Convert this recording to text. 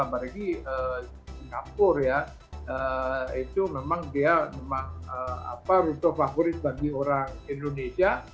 apalagi singapura ya itu memang dia memang rute favorit bagi orang indonesia